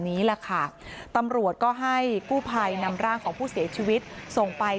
นี้แหละค่ะตำรวจก็ให้กู้ภัยนำร่างของผู้เสียชีวิตส่งไป